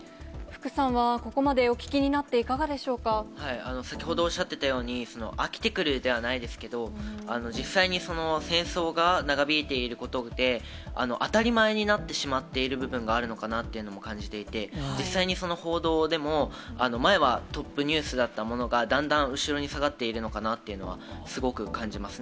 福さんはここまでお聞きにな先ほどおっしゃってたように、飽きてくるではないですけど、実際に戦争が長引いていることで、当たり前になってしまっている部分があるのかなっていうのも感じていて、実際に、その報道でも、前はトップニュースだったものが、だんだん後ろに下がっているのかなっていうのはすごく感じます。